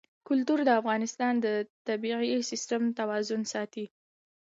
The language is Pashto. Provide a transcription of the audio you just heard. کلتور د افغانستان د طبعي سیسټم توازن ساتي.